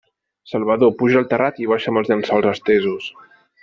Salvador, puja al terrat i baixa'm els llençols estesos!